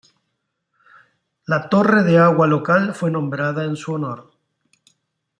La torre de agua local fue nombrada en su honor.